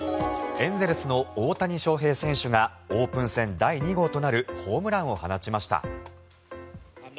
エンゼルスの大谷翔平選手がオープン戦第２号となるホームランを放ちました。